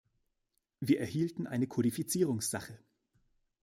Wir erhielten eine Kodifizierungssache.